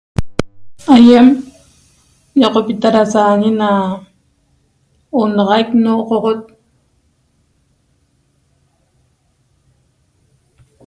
Aiem ñecopita ra saañi na onaxaic nogoxot